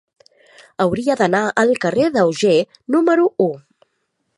Hauria d'anar al carrer d'Auger número u.